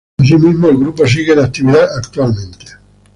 Asimismo, el grupo sigue en actividad actualmente.